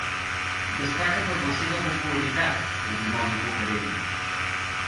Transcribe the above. Destaca per la seva popularitat El dimoni cucarell.